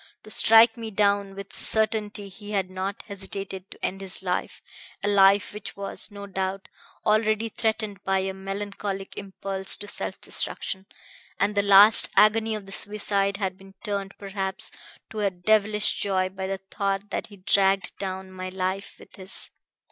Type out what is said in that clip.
To strike me down with certainty he had not hesitated to end his life a life which was, no doubt, already threatened by a melancholic impulse to self destruction; and the last agony of the suicide had been turned, perhaps, to a devilish joy by the thought that he dragged down my life with his.